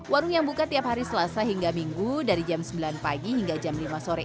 warung yang buka tiap hari selasa hingga minggu dari jam sembilan pagi hingga jam lima sore